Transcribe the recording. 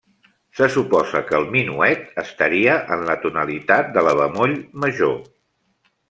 Se suposa que el minuet estaria en la tonalitat de la bemoll major.